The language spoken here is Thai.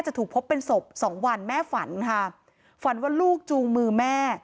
จะถูกพบเป็นศพสองวันแม่ฝันค่ะฝันว่าลูกจูงมือแม่